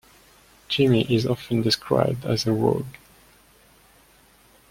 Jimmy is often described as a rogue.